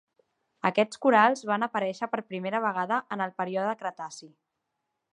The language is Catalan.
Aquests corals van aparèixer per primera vegada en el període Cretaci.